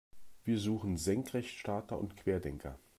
Wir suchen Senkrechtstarter und Querdenker.